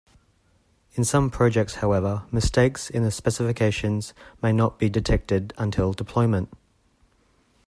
In some projects however, mistakes in the specifications may not be detected until deployment.